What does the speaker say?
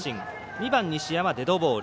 ２番、西山、デッドボール。